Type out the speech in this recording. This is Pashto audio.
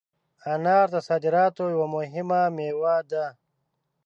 انار د صادراتو یوه مهمه مېوه ده.